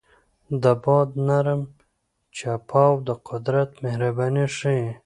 د باد نرم چپاو د قدرت مهرباني ښيي.